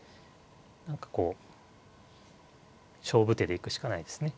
何かこう勝負手で行くしかないですね。